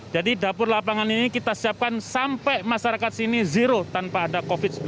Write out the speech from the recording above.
jadi dapur lapangan ini kita siapkan sampai masyarakat sini zero tanpa ada covid sembilan belas